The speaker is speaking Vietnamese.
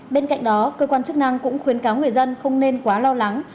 bên cạnh đó cơ quan chức năng cũng khuyến cáo người dân không nên quá lo lắng